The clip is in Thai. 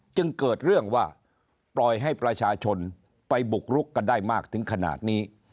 จึงเกิดเรื่องว่าปล่อยให้ประชาชนไปบุกรุกกันได้มากถึงขนาดนี้